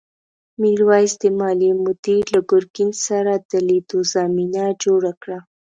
میرويس د مالیې مدیر له ګرګین سره د لیدو زمینه جوړه کړه.